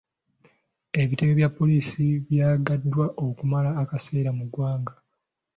Ebitebe bya poliisi byaggaddwa okumala akaseera mu ggwanga.